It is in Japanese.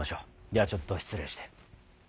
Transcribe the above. ではちょっと失礼して。